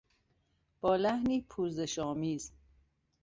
با لحنی پوزش آمیز